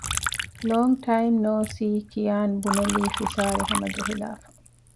ލޯންގް ޓައިމް ނޯސީ ކިޔާން ބުނެލީ ފިސާރިހަމަޖެހިލާފަ